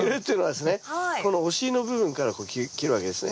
このお尻の部分からこう切るわけですね。